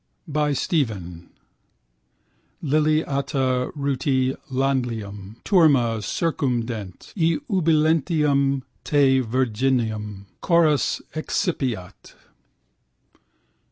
By Stephen: Liliata rutilantium. Turma circumdet. Iubilantium te virginum. Chorus excipiat.